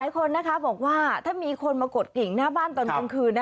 คนนะคะบอกว่าถ้ามีคนมากดกิ่งหน้าบ้านตอนกลางคืน